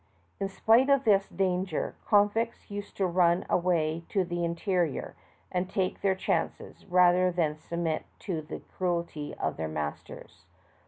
In spite of this danger, convicts used to run away to the interior, and take their chances, rather than submit to the cruelty of their masters.